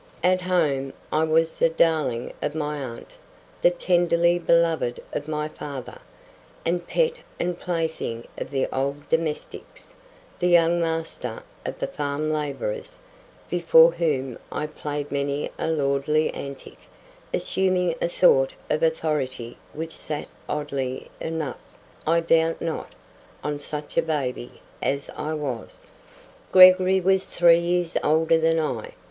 At home I was the darling of my aunt, the tenderly beloved of my father, the pet and plaything of the old domestics, the "young master" of the farm labourers, before whom I played many a lordly antic, assuming a sort of authority which sat oddly enough, I doubt not, on such a baby as I was. Gregory was three years older than I.